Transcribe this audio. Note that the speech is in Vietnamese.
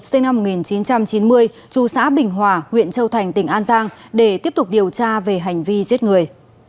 sinh năm một nghìn chín trăm chín mươi trù xã bình hòa huyện châu thành tỉnh an giang để tiếp tục điều tra về hành vi giết người